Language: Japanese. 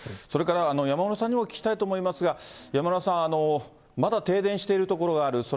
それから、山村さんにもお聞きしたいと思いますが、山村さん、まだ停電している所がある。